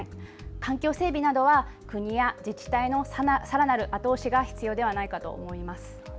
環境整備などは国や自治体のさらなる後押しが必要ではないかと思います。